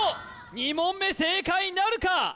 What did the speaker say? ２問目正解なるか？